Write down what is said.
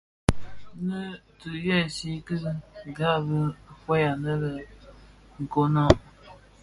Nnë ti ghèsèè ki ghabi fœug annë dhi nkonag.